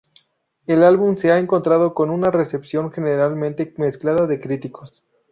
El álbum se ha encontrado con una recepción generalmente mezclada de críticos.